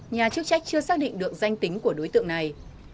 nhà chức trách chưa xác định được danh tính của đối tượng này